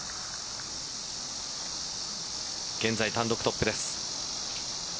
現在、単独トップです。